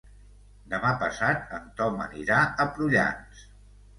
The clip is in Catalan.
Demà passat en Tom anirà a Prullans.